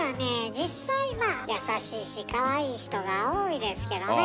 実際まあ優しいしかわいい人が多いですけどね。